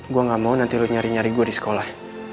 gue gak mau nanti lo nyari nyari gue di sekolah